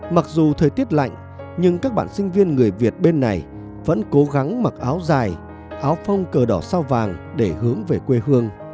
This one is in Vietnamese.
mặc dù thời tiết lạnh nhưng các bạn sinh viên người việt bên này vẫn cố gắng mặc áo dài áo phong cờ đỏ sao vàng để hướng về quê hương